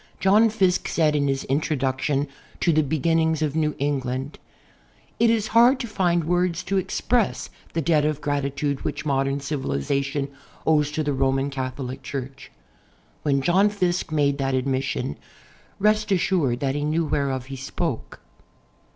John Fiske said in his introduction to "The Beginnings of New England'' : "It is hard to find words to express the debt of gratitude which modern civilization owes to the Roman Catholic Cliurch." When John Fiske made that admission, rest assured that he knew whereof he spoke.